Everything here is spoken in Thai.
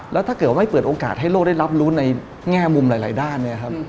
แล้วถ้าเกิดว่าไม่เปิดโอกาสให้โลกได้รับรู้ในแง่มุมหลายด้านเนี่ยครับ